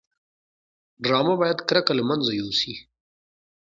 ډرامه باید کرکه له منځه یوسي